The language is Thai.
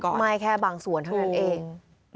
ใช่ครับไหม้แค่บางส่วนเท่านั้นเอง